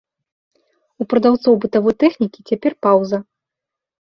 У прадаўцоў бытавой тэхнікі цяпер паўза.